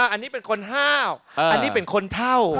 อันนี้เป็นคนห้าวอันนี้เป็นคนเท่า